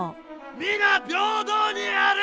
皆平等にある！